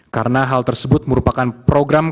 karena hal tersebut merupakan program